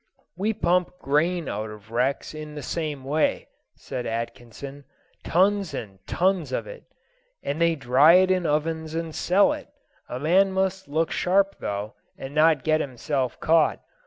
"We pump grain out of wrecks in the same way," said Atkinson, "tons and tons of it! and they dry it in ovens and sell it. A man must look sharp, though, and not get himself caught.